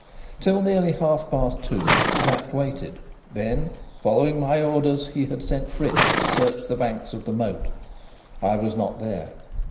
Till nearly half past two Sapt waited; then, following my orders, he had sent Fritz to search the banks of the moat. I was not there.